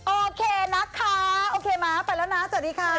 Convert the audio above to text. โอเคนะคะโอเคม้าไปแล้วนะสวัสดีค่ะ